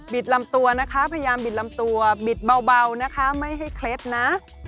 ลำตัวนะคะพยายามบิดลำตัวบิดเบานะคะไม่ให้เคล็ดนะ